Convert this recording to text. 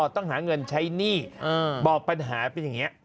ต้องหาเงินใช้หนี้บอกปัญหาเป็นอย่างนี้